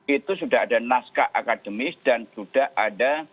itu sudah ada naskah akademis dan sudah ada